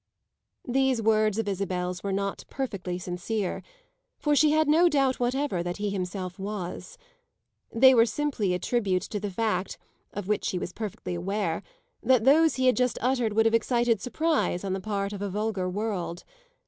These words of Isabel's were not perfectly sincere, for she had no doubt whatever that he himself was. They were simply a tribute to the fact, of which she was perfectly aware, that those he had just uttered would have excited surprise on the part of a vulgar world.